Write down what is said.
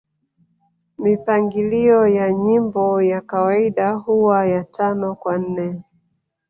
Mipangilio ya nyimbo ya kawaida huwa ya Tano kwa nne